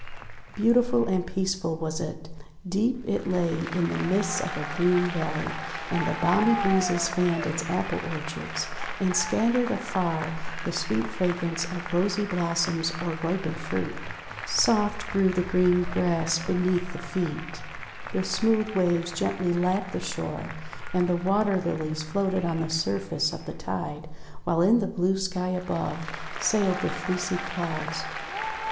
Beautiful and peaceful was it. Deep it lay in the midst of a green valley, and the balmy breezes fanned its apple orchards, and scattered afar the sweet fragrance of rosy blossoms or ripened fruit. Soft grew the green grass beneath the 38 THE WONDER GARDEN feet. The smooth waves gently lapped the shore, and Water Lilies floated on the surface of the tide, while in the blue sky above sailed the fleecy clouds.